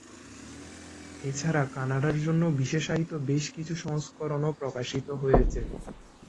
এছাড়া কানাডার জন্য বিশেষায়িত বেশ কিছু সংস্করণও প্রকাশিত হয়েছে।